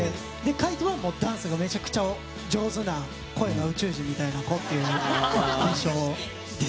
海人はダンスがめちゃくちゃ上手な声が宇宙人みたいな子という印象です。